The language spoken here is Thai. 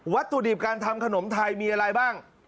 ถุดิบการทำขนมไทยมีอะไรบ้าง